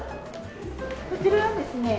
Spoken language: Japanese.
こちらはですね